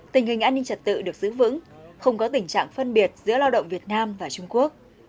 tình hình an ninh trật tự được giữ vững không có tình trạng phân biệt giữa lao động việt nam và trung quốc